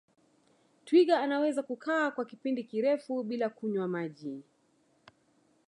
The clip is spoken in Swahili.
twiga anaweza kukaa kwa kipindi kirefu bila kunywa maji